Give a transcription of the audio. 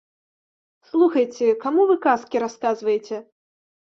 Слухайце, каму вы казкі расказваеце?